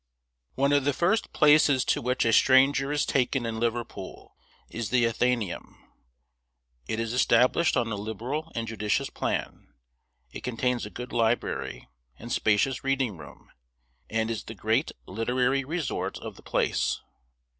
ONE of the first places to which a stranger is taken in Liverpool is the Athenaeum. It is established on a liberal and judicious plan; it contains a good library, and spacious reading room, and is the great literary resort of the place.